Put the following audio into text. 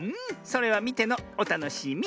それはみてのおたのしみ。